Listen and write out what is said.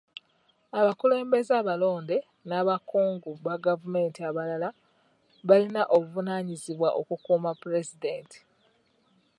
Abakulembeze abalonde n'abakungu ba gavumenti abalala balina obuvunaanyizibwa okukuuma pulezidenti.